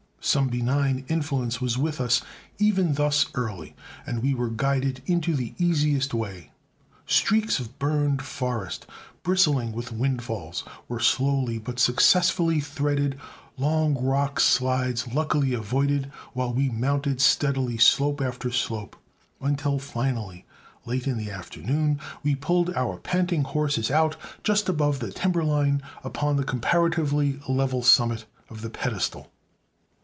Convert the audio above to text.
Some benign influence was with us even thus early, and we were guided into the easiest way. Streaks of burned forest, bristling with windfalls, were slowly but successfully threaded, long rock slides luckily avoided, while we mounted steadily slope after slope; until finally, late in the afternoon, we pulled our panting horses out, just above timber line, upon the comparatively level summit of the pedestal.